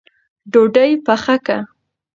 ډوډۍ پخه که